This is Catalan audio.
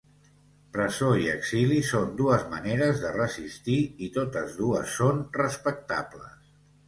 Presó i exili són dues maneres de resistir i totes dues són respectables.